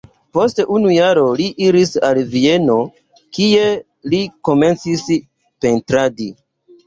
Post unu jaro li iris al Vieno, kie li komencis pentradi.